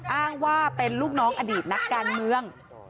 อ้างว่าเป็นลูกน้องอดีตนักการเมือง